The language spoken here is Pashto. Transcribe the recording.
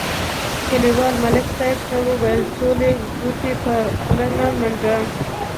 کلیوال ملک صاحب ته ویل: ټولې ګوتې په خوله مه منډه.